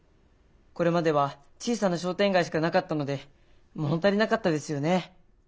これまでは小さな商店街しかなかったので物足りなかったですよね。